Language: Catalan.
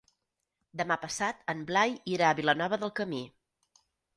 Demà passat en Blai irà a Vilanova del Camí.